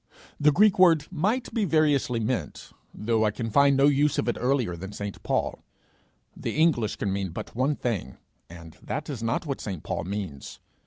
The Greek word might be variously meant though I can find no use of it earlier than St. Paul; the English can mean but one thing, and that is not what St. Paul means.